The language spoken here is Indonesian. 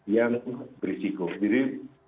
yang berisiko jadi